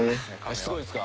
しつこいですか。